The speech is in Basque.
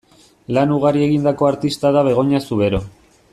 Lan ugari egindako artista da Begoña Zubero.